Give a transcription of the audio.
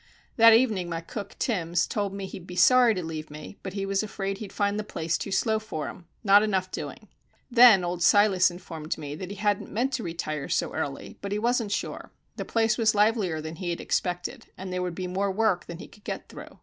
That evening my cook, Timbs, told me he'd be sorry to leave me, but he was afraid he'd find the place too slow for him not enough doing. Then old Silas informed me that he hadn't meant to retire so early, but he wasn't sure the place was livelier than he had expected, and there would be more work than he could get through.